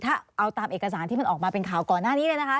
ถ้าเอาตามเอกสารที่มันออกมาเป็นข่าวก่อนหน้านี้เลยนะคะ